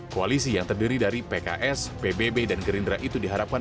koalisi yang terdiri dari pks pbb dan gerindra itu diharapkan